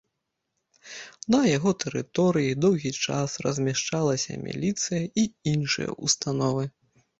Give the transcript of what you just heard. На яго тэрыторыі доўгі час размяшчалася міліцыя і іншыя ўстановы.